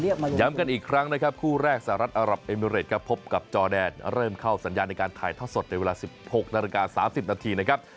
ย้ำกันอีกครั้งนะครับคู่แรกสหรัฐอารับเอมิเรตครับพบกับจอแดนเริ่มเข้าสัญญาในการถ่ายทอดสดในเวลา๑๖นาฬิกา๓๐นาทีนะครับ